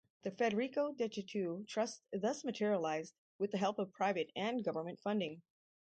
The Federico Degetau Trust thus materialized with the help of private and government funding.